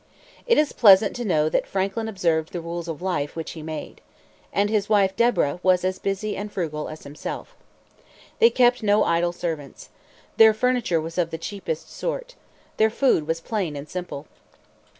It is pleasant to know that Franklin observed the rules of life which he made. And his wife, Deborah, was as busy and as frugal as himself. They kept no idle servants. Their furniture was of the cheapest sort. Their food was plain and simple.